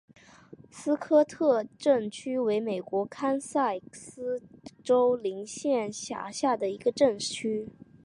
斯科特镇区为美国堪萨斯州林县辖下的镇区。